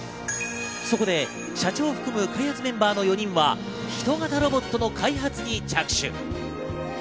そこで社長を含む開発メンバーの４人は人型ロボットの開発に着手。